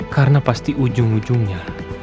karena pasti ujung ujungnya